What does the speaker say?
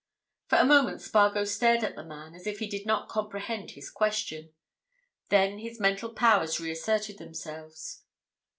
For a moment Spargo stared at the man as if he did not comprehend his question. Then his mental powers reasserted themselves.